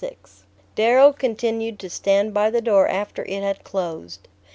XXXVI Darrow continued to stand by the door after it had closed.